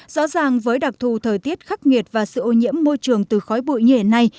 rõ ràng với đặc thù thời tiết khắc nghiệt và sự ô nhiễm môi trường từ khói bụi như hiện nay